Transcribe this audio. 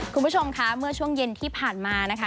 คุณผู้ชมค่ะเมื่อช่วงเย็นที่ผ่านมานะคะ